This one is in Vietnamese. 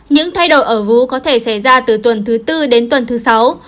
những thay đổi ở vú có thể xảy ra từ tuần thứ tư đến tuần thứ sáu